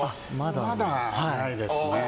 まだないですね。